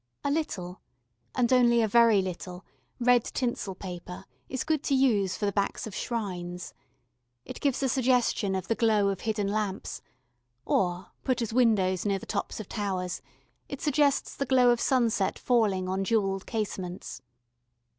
A little, and only a very little, red tinsel paper is good to use, for the backs of shrines. It gives a suggestion of the glow of hidden lamps or, put as windows near the tops of towers, it suggests the glow of sunset falling on jewelled casements.